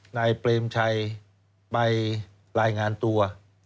นายเปรมชัยไปรายงานตัว